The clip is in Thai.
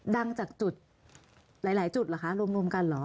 ดังจากจุดหลายจุดหรือฮะรวมกันหรอ